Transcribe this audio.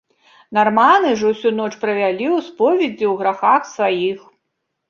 Нарманы ж усю ноч правялі ў споведзі ў грахах сваіх.